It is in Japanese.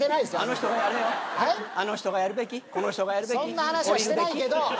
そんな話はしてないけど。